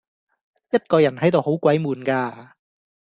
一個人喺度好鬼悶㗎